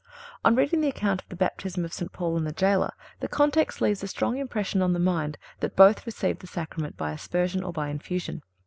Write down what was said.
On reading the account of the Baptism of St. Paul and the jailer the context leaves a strong impression on the mind that both received the Sacrament by aspersion or by infusion.